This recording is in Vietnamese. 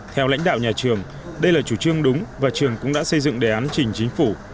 theo lãnh đạo nhà trường đây là chủ trương đúng và trường cũng đã xây dựng đề án trình chính phủ